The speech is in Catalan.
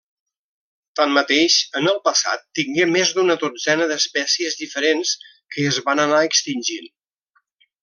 Tanmateix, en el passat tingué més d'una dotzena d'espècies diferents que es van anar extingint.